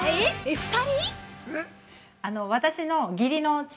２人！？